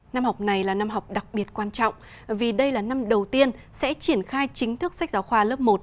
năm học này là năm học đặc biệt quan trọng vì đây là năm đầu tiên sẽ triển khai chính thức sách giáo khoa lớp một